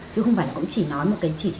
chứ không phải là cũng chỉ nói một cái chỉ